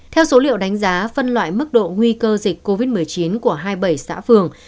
theo số liệu đánh giá phân loại mức độ nguy cơ dịch covid một mươi chín của hai mươi bảy xã phường